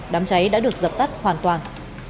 đám cháy đã được dập tắt hoàn toàn